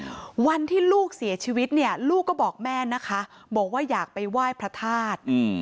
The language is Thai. วันที่ลูกเสียชีวิตเนี่ยลูกก็บอกแม่นะคะบอกว่าอยากไปไหว้พระธาตุอืม